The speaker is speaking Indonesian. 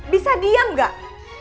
bisa diam gak